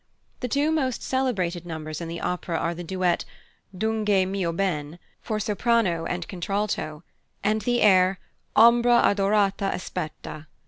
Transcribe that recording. The two most celebrated numbers in the opera are the duet "Dunque mio ben" for soprano and contralto, and the air "Ombra adorata aspetta."